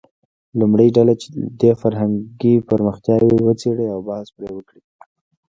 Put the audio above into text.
لومړۍ ډله دې فرهنګي پرمختیاوې وڅېړي او بحث پرې وکړي.